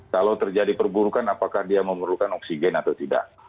kalau terjadi perburukan apakah dia memerlukan oksigen atau tidak